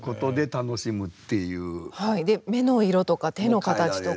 で目の色とか手の形とか。